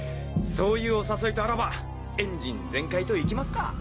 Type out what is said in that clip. そういうお誘いとあらばエンジン全開といきますか。